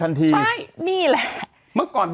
ฟังลูกครับ